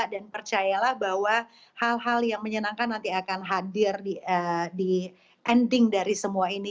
dan percayalah bahwa hal hal yang menyenangkan nanti akan hadir di ending dari semua ini